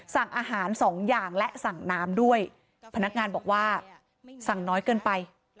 สั่งอาหารสองอย่างและสั่งน้ำด้วยพนักงานบอกว่าสั่งน้อยเกินไป